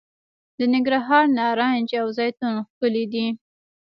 د ننګرهار نارنج او زیتون ښکلي دي.